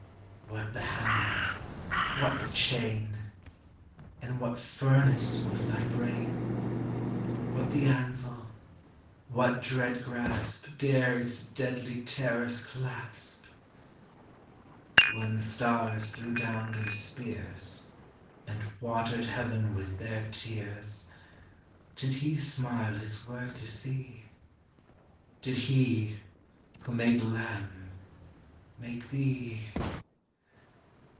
What the hammer, what the chain? In what furnace was thv brain? ANIMATE NATURE. 355 What the anvil? what dread grasp Dare its deadly terrors clasp? When the stars threw down their spears, And watered heaven with their tears, Did he smile his work to sec? Did He, who made the Lamb, make thee!